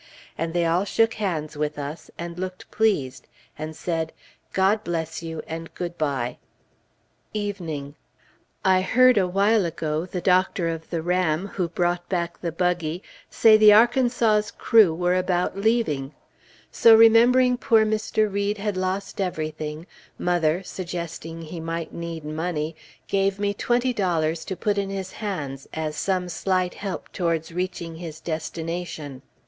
And they all shook hands with us, and looked pleased, and said "God bless you," and "Good bye." Evening. I heard a while ago, the doctor of the Ram, who brought back the buggy, say the Arkansas's crew were about leaving; so remembering poor Mr. Read had lost everything, mother, suggesting he might need money, gave me twenty dollars to put in his hands, as some slight help towards reaching his destination.